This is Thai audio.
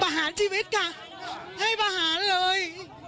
ประหารชีวิตค่ะให้ประหารเลย